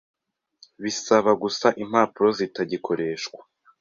Bisaba gusa impapuro zitagikoreshwa,